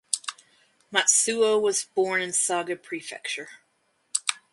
Matsuo was born in Saga Prefecture.